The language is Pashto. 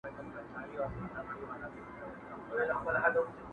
شاوخوا پر حجره یې لکه مار وګرځېدمه٫